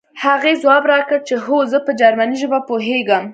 هغې ځواب راکړ چې هو زه په جرمني ژبه پوهېږم